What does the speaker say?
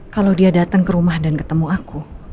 kalau dia datang ke rumah dan ketemu aku